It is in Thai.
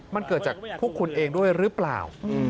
มันเกิดจากพวกคุณเองด้วยหรือเปล่า